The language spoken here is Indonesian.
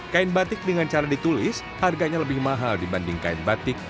kain batik dengan cara ditulis harganya lebih mahal dibanding kain batik